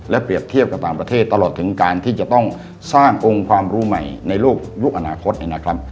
เปรียบเทียบกับต่างประเทศตลอดถึงการที่จะต้องสร้างองค์ความรู้ใหม่ในโลกยุคอนาคตเนี่ยนะครับ